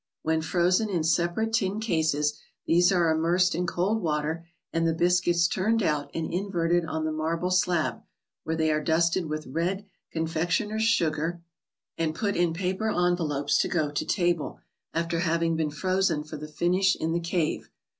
When frozen in separ¬ ate tin cases, these are immersed in cold water, and the biscuits turned out and inverted on the marble slab, where they are dusted with confectioners' red sugar, and put in ICED PUDDINGS, ETC. 57 paper envelopes to go to table, after having been frozen for the finish in the cave.